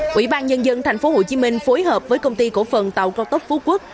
quỹ ban nhân dân thành phố hồ chí minh phối hợp với công ty cổ phần tàu cao tốc phú quốc